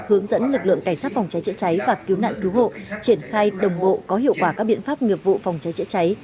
hướng dẫn lực lượng cảnh sát phòng cháy chữa cháy và cứu nạn cứu hộ triển khai đồng bộ có hiệu quả các biện pháp nghiệp vụ phòng cháy chữa cháy